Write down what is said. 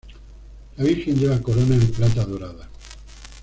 La Virgen lleva corona en plata dorada.